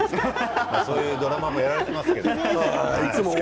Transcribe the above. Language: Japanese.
そういうドラマをやれていますけどね。